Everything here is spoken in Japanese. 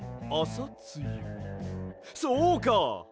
そうか！